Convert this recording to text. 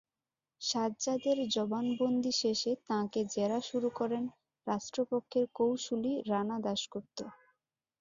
সাজ্জাদের জবানবন্দি শেষে তাঁকে জেরা শুরু করেন রাষ্ট্রপক্ষের কৌঁসুলি রানা দাশগুপ্ত।